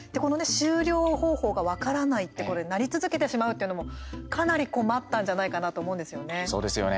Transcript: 終了方法が分からないって鳴り続けてしまうっていうのもかなり困ったんじゃないかなと思うんですよね。